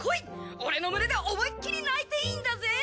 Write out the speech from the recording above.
俺の胸で思いっきり泣いていいんだぜ！